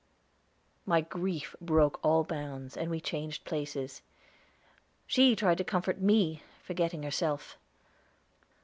My grief broke all bounds, and we changed places; she tried to comfort me, forgetting herself.